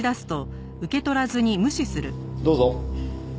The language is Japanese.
どうぞ。